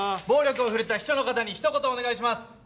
暴力を振るった秘書の方にひと言お願いします！